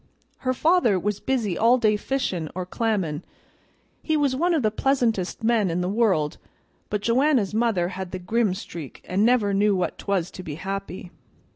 Her father was busy all day fishin' or clammin'; he was one o' the pleasantest men in the world, but Joanna's mother had the grim streak, and never knew what 'twas to be happy.